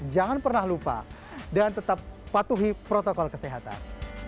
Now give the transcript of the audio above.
jangan pernah lupa dan tetap patuhi protokol kesehatan